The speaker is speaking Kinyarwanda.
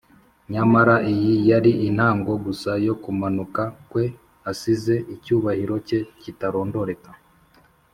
. Nyamara iyi yari intango gusa yo kumanuka kwe asize icyubahiro cye kitarondoreka.